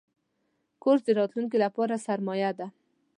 کورس د راتلونکي لپاره سرمایه ده.